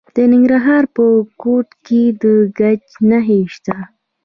د ننګرهار په کوټ کې د ګچ نښې شته.